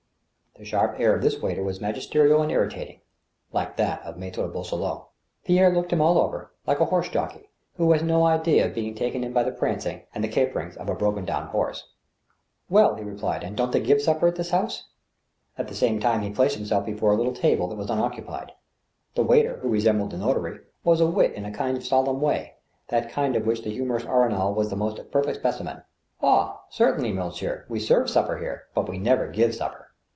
The sharp air of this waiter was magisterial and irritating, like that of Mattre Boisselot. Pierre looked him all over, like a horse jockey, who has no idea of being taken in by the prancings and the caperings of a brokra down horse. " Well I " he replied, " and don't they give supper in this house ?" At the same time he placed himself before a little table that was unoccupied. The waiter, who resembled the notary, was a wit in a kind of solemn way— that kind of which the humorist Amal was the most perfect specimen. " Oh ! certainly, monsieur, we serve supper here, but we never give supper."